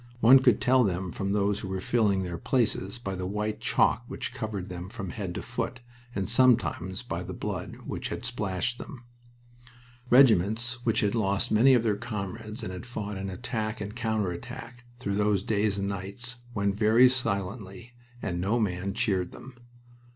One could tell them from those who were filling their places by the white chalk which covered them from head to foot, and sometimes by the blood which had splashed them. Regiments which had lost many of their comrades and had fought in attack and counter attack through those days and nights went very silently, and no man cheered them.